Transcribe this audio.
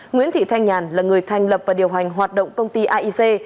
nguyễn thị thanh nhàn là người thành lập và điều hành hoạt động công ty aic